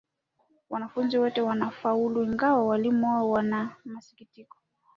Wanafunzi wote wanafaulu ingawa walimu wao wanamasikitiko.